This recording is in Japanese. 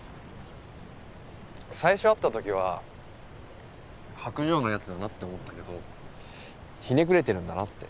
最初会った時は薄情な奴だなって思ったけどひねくれてるんだなって。